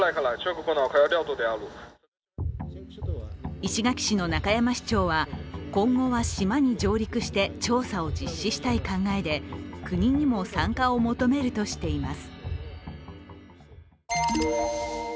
石垣市の中山市長は今後は島に上陸して調査を実施したい考えで、国にも参加を求めるとしています。